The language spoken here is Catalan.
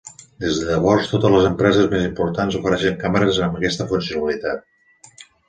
Des de llavors, totes les empreses més importants ofereixen càmeres amb aquesta funcionalitat.